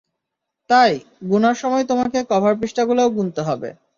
তাই, গুনার সময় তোমাকে কভার পৃষ্ঠাগুলোও গুনতে হবে।